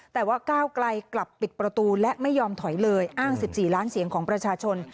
แต่ว่าก้าวไกลกลับปิดประตูและไม่ยอมถอยเลยอ้าง๑๔ล้านเสียงของประชาชน